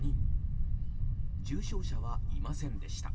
重症者はいませんでした。